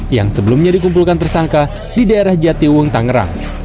yang sebelumnya dikumpulkan tersangka di daerah jatiwung tangerang